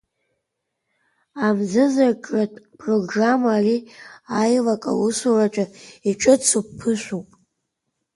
Амзызыркратә программа ари Аилак аусураҿы иҿыцу ԥышәоуп.